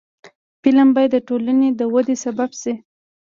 فلم باید د ټولنې د ودې سبب شي